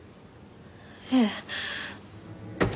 ええ。